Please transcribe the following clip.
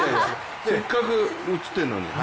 せっかく映ってるのに。